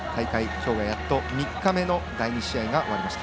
やっと３日目の第２試合が終わりました。